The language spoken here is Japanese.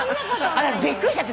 私びっくりしちゃって。